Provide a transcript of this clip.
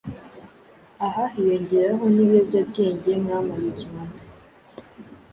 aha hiyongeraho n’ ibiyobyabwenge nka marijuwana,